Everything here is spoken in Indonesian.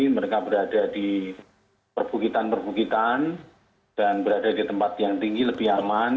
mereka berada di perbukitan perbukitan dan berada di tempat yang tinggi lebih aman